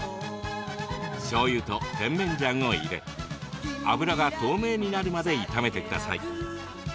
しょうゆと甜麺醤を入れ脂が透明になるまで炒めてください。